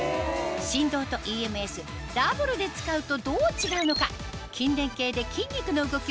振動とＥＭＳダブルで使うとどう違うのか